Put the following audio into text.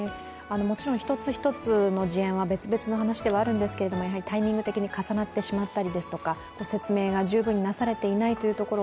もちろん一つ一つの事案は別々の話ではあるんですけれどもやはりタイミング的に重なってしまったりですとか説明が十分になされていないことですとか